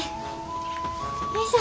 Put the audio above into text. よいしょ。